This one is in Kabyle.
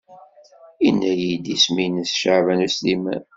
Yenna-iyi-d isem-nnes Caɛban U Sliman.